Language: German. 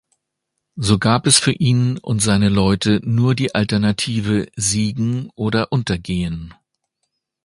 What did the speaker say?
So gab es für ihn und seine Leute nur die Alternative Siegen oder Untergehen.